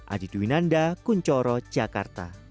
adi duwinanda kuncoro jakarta